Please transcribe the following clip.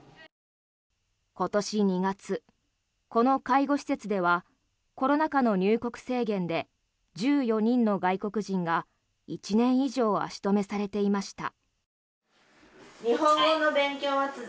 今年２月、この介護施設ではコロナ禍の入国制限で１４人の外国人が１年以上足止めされていました。